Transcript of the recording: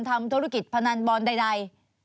ทำธุรกิจพนันบอลใด